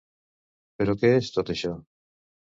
Però què és, tot això?